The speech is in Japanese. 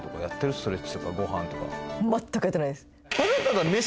ストレッチとかご飯とか全くやってないです